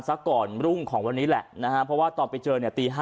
สักก่อนรุ่งของวันนี้